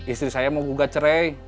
istri saya mau gugat cerai